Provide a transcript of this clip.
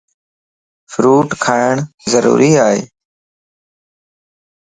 ڦروٽ کاڻ ضروري ائي.